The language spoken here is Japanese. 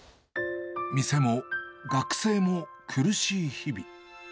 店も学生も苦しい日々。